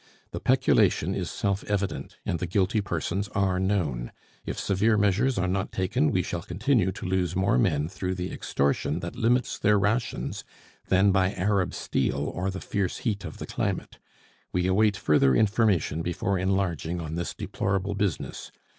The peculation is self evident, and the guilty persons are known. If severe measures are not taken, we shall continue to lose more men through the extortion that limits their rations than by Arab steel or the fierce heat of the climate. We await further information before enlarging on this deplorable business.